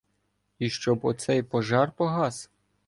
І щоб оцей пожар погас.